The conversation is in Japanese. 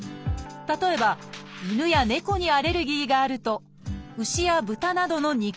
例えば犬や猫にアレルギーがあると牛や豚などの肉。